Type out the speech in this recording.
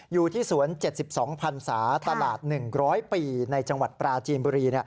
อยู่ที่สวน๗๒พันศาตลาด๑๐๐ปีในจังหวัดปราจีนบุรี